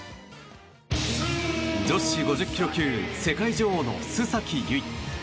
女子５０ｋｇ級世界女王の須崎優衣。